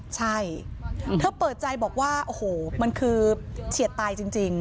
ใช่เธอเปิดใจบอกว่าโอ้โหมันคือเฉียดตายจริง